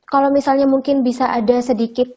kalau misalnya mungkin bisa ada sedikit